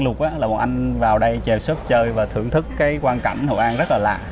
hội an lụt là một anh vào đây chè shop chơi và thưởng thức cái quan cảnh hội an rất là lạ